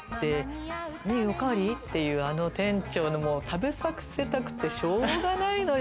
美海おかわり？っていう、店長の食べさせたくてしょうがないのよ。